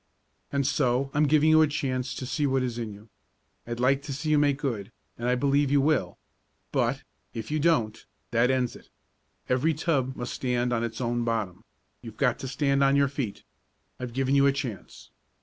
"And so I'm giving you a chance to see what is in you. I'd like to see you make good, and I believe you will. But if you don't that ends it. Every tub must stand on its own bottom you've got to stand on your feet. I've given you a chance.